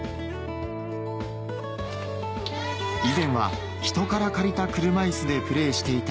以前はひとから借りた車いすでプレーしていた